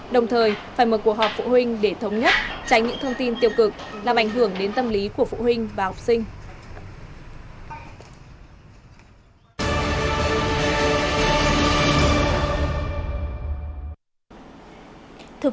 đồng thời phải mở cuộc họp phụ huynh để thống nhất tránh những thông tin tiêu cực làm ảnh hưởng đến tâm lý của phụ huynh và học sinh